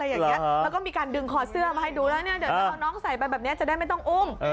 แล้วก็มีการดึงคอเสื้อมาให้ดูแล้วเนี่ยเดี๋ยวจะเอาน้องใส่ไปแบบนี้จะได้ไม่ต้องอุ้ม